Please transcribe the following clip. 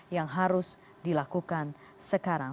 yang harus dilakukan sekarang